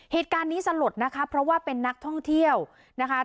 เหตุการณ์นี้สลดนะคะเพราะว่าเป็นนักท่องเที่ยวนะคะ